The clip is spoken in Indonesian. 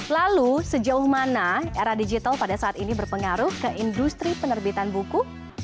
lalu sejauh mana era digital pada saat ini berpengaruh ke industri penerbitan buku